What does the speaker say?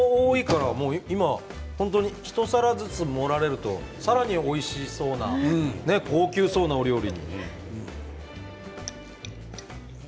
確かに具も多いから今、本当に一皿ずつ盛られるとさらに、おいしそうな高級そうなお料理に。